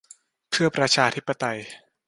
เพื่อประชาธิปไตย